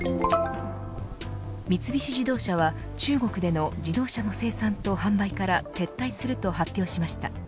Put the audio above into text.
三菱自動車は、中国での自動車の生産と販売から撤退すると発表しました。